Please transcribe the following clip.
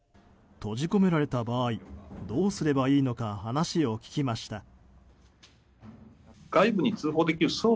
閉じ込められた場合どうすればいいのか話を聞きました。